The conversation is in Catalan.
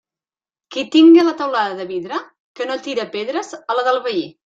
Qui tinga la teulada de vidre, que no tire pedres a la del veí.